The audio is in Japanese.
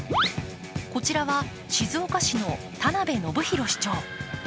こちらは静岡市の田辺信宏市長。